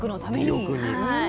魅力にね。